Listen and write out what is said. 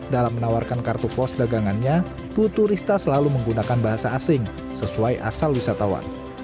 dalam menawarkan kartu pos dagangannya putu rista selalu menggunakan bahasa asing sesuai asal wisatawan